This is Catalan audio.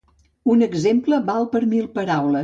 Un exemple val per mil paraules.